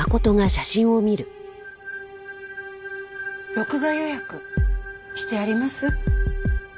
録画予約してあります？